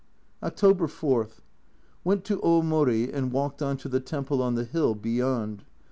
October 4. Went to Omori and walked on to the temple on the hill beyond.